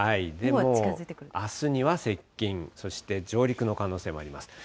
もうあすには接近、そして上陸の可能性もあります。